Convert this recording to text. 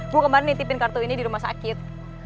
bu kemarin nitipin kartu ini di rumah sakit